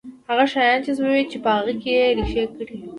هغه شيان جذبوي چې په هغه کې يې رېښې کړې وي.